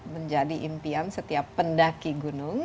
menjadi impian setiap pendaki gunung